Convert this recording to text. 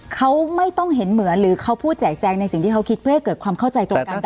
เขาไม่ต้องเห็นเหมือนหรือเขาพูดแจกแจงในสิ่งที่เขาคิดเพื่อให้เกิดความเข้าใจตรงกัน